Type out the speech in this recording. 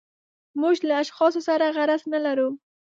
موږ له اشخاصو سره غرض نه لرو.